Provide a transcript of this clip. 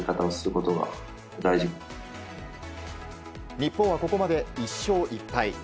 日本はここまで１勝１敗。